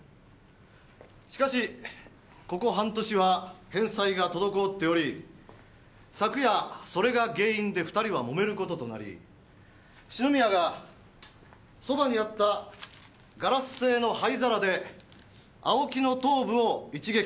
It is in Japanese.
しかしここ半年は返済が滞っており昨夜それが原因で２人は揉める事となり篠宮がそばにあったガラス製の灰皿で青木の頭部を一撃。